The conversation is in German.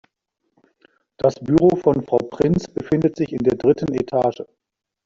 Das Büro von Frau Prinz befindet sich in der dritten Etage.